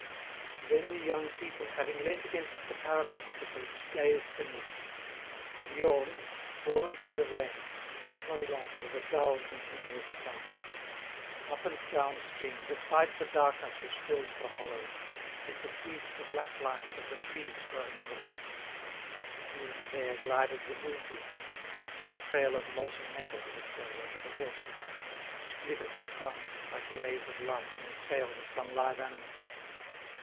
Then the young people, having leant against the parapet of the bridge, gazed beneath them. The Viorne, swollen by the rains, flowed on with a dull, continuous sound. Up and down stream, despite the darkness which filled the hollows, they perceived the black lines of the trees growing on the banks; here and there glided the moonbeams, casting a trail of molten metal, as it were, over the water, which glittered and danced like rays of light on the scales of some live animal.